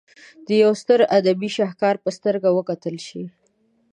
د یوه ستر ادبي شهکار په سترګه وکتل شي.